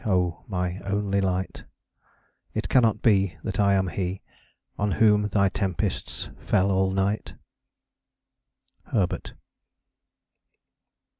O my onely light, It cannot be That I am he On whom thy tempests fell all night. HERBERT.